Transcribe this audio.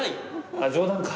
あっ冗談か。